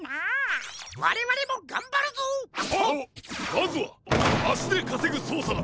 まずはあしでかせぐそうさだ！